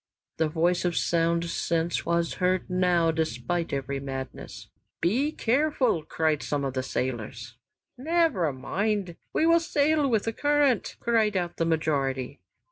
The voice of sound sense was heard now despite every madness: "Be careful!" cried some of the sailors. "Never mind! We will sail with the current," cried out the majority.